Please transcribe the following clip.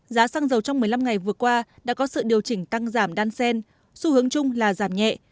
giá xăng dầu trong một mươi năm ngày vừa qua đã có sự điều chỉnh tăng giảm đan sen xu hướng chung là giảm nhẹ